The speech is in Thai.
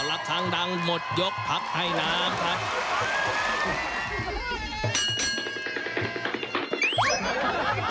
แล้วหมดยกพักให้น้ำครับ